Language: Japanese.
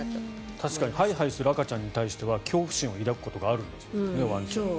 確かにハイハイしている赤ちゃんに対して恐怖心を抱くことがあるそうです。